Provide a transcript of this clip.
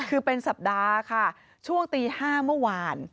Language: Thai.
คือเป็นสัปดาห์ค่ะช่วงตี๕เมื่อวาน